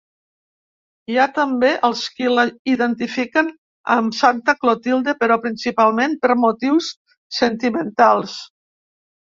Hi ha també els qui la identifiquen amb Santa Clotilde, però principalment per motius sentimentals.